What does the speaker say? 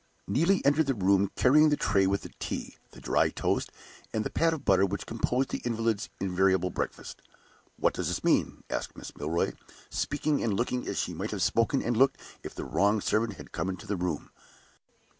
Neelie entered the room, carrying the tray with the tea, the dry toast, and the pat of butter which composed the invalid's invariable breakfast. "What does this mean?" asked Mrs. Milroy, speaking and looking as she might have spoken and looked if the wrong servant had come into the room.